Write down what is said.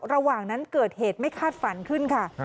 ระหว่างนั้นเกิดเหตุไม่คาดฝันขึ้นค่ะ